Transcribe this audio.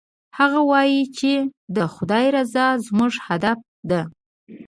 هغه وایي چې د خدای رضا زموږ هدف ده